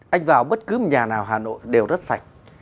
anh vào bất cứ một nhà nào hà nội đều rất sạch